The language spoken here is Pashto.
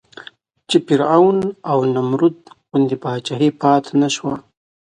چې فرعون او نمرود غوندې پاچاهۍ پاتې نه شوې.